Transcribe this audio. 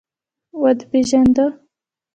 ودې پېژانده.